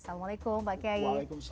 assalamualaikum pak kiai